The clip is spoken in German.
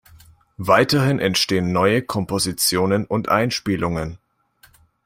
Weiterhin entstehen neue Kompositionen und Einspielungen.